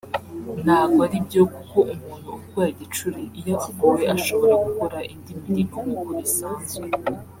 ntabwo aribyo kuko umuntu urwaye igicuri iyo avuwe ashobora gukora indi mirimo nk’uko bisanzwe